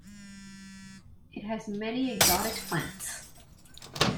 It has many exotic plants.